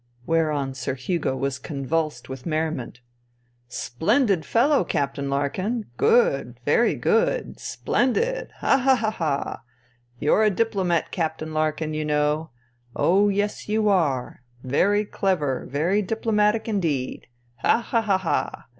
Whereon Sir Hugo was convulsed with merriment. " Splendid fellow. Captain Larkin ! Good. Very good. Splendid ! Ha, ha, ha, ha ! You're a diplomat, Captain Larkin, you know. Oh, yes, you are. Very clever, very diplomatic indeed. Ha, ha, ha, ha